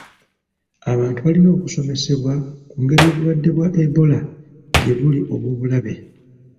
Abantu balina okusomesebwa ku ngeri obulwadde bwa Ebola gye buli obw'obulabe.